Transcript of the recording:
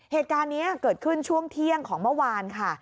เหตุการณ์นี้เกิดขึ้นช่วงเที่ยงของเมื่อวานค่ะ